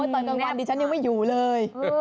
ตอนกลางวันดิฉันยังไม่อยู่เลย